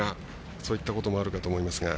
そういったこともあるかと思いますが。